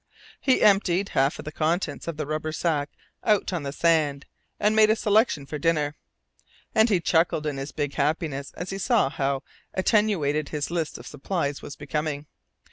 He emptied a half of the contents of the rubber sack out on the sand and made a selection for dinner, and he chuckled in his big happiness as he saw how attenuated his list of supplies was becoming.